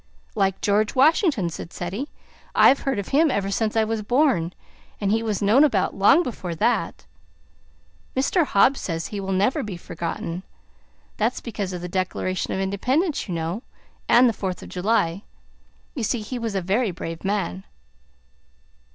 "Like George Washington," said Ceddie. "I've heard of him ever since I was born, and he was known about, long before that. Mr. Hobbs says he will never be forgotten. That's because of the Declaration of Independence, you know, and the Fourth of July. You see, he was a very brave man."